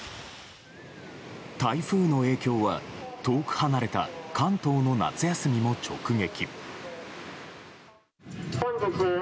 台風の影響は遠く離れた関東の夏休みも直撃。